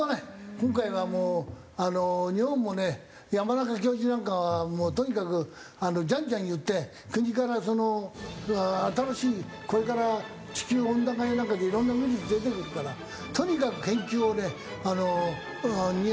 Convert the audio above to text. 今回はもうあの日本もね山中教授なんかはもうとにかくじゃんじゃん言って国からその新しいこれから地球温暖化やなんかでいろんなウイルス出てくるからとにかく研究にお金を使うような。